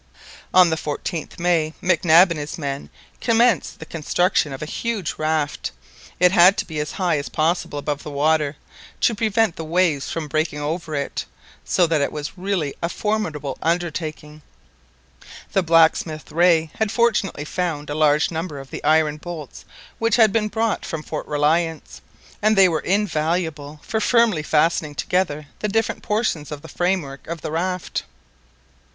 On the 14th May, Mac Nab and his men commenced the construction of a huge raft. It had to be as high as possible above the water, to prevent the waves from breaking over it, so that it was really a formidable undertaking. The blacksmith, Rae, had fortunately found a large number of the iron bolts which had been brought from Fort Reliance, and they were invaluable for firmly fastening together the different portions of the framework of the raft.